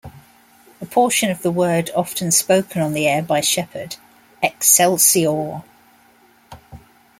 A portion of the word often spoken on the air by Shepherd - Excelsior!